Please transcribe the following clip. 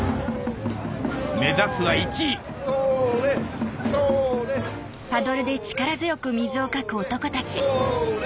目指すは１位それそれそれ！